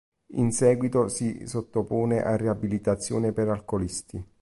In seguito si sottopone a riabilitazione per alcolisti.